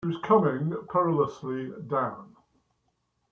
She was coming perilously down.